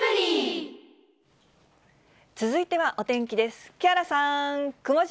続いてはお天気です。